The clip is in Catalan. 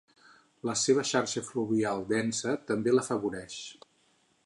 La seva xarxa fluvial densa també l'afavoreix.